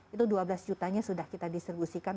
itu dua belas juta nya sudah kita distribusikan